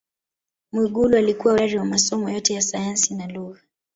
Mwigulu alikuwa hodari wa masomo yote ya sayansi na lugha